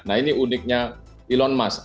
nah ini uniknya elon musk